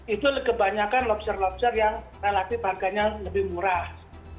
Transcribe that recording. itu kebanyakan lobster lobster yang relatif harganya lebih murah